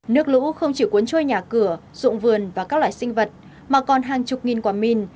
nước lũ không chỉ cuốn trôi nhà cửa rụng vườn và các loài sinh vật mà còn hàng chục nghìn quả mìn